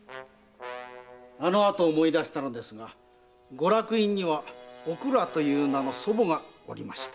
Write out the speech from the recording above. あのあと思い出したのですがご落胤には「おくら」という名の祖母がおりました。